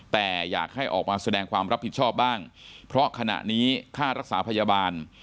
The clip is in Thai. แต่อยากให้ออกมาแสดงความรับผิดชอบบ้างเพราะขณะนี้ค่ารักษาพยาบาล